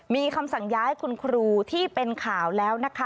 มีคำสั่งย้ายคุณครูที่เป็นข่าวแล้วนะคะ